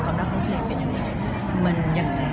ความรักของเพลงเป็นยังไง